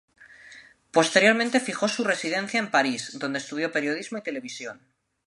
Posteriormente fijó su residencia en París donde estudió periodismo y televisión.